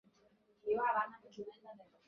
মনে হয় আমাদের তিনজনেরই একসাথে ভেতরে যাওয়া উচিত।